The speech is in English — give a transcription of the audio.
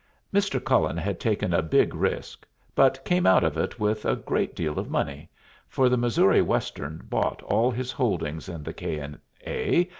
Mr. Cullen had taken a big risk, but came out of it with a great lot of money, for the Missouri Western bought all his holdings in the K. & A.